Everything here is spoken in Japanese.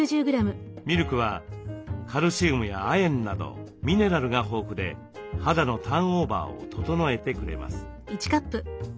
ミルクはカルシウムや亜鉛などミネラルが豊富で肌のターンオーバーを整えてくれます。